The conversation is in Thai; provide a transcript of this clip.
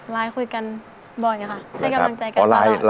ไลน์คุยกันบ่อยค่ะให้กำลังใจกันบ้าง